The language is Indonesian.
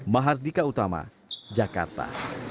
mahardika utama jakarta